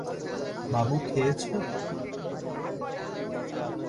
বাবু খেয়েছো?